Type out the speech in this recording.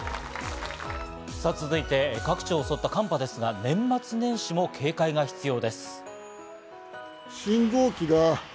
続いて各地を襲った寒波ですが、年末年始も警戒が必要です。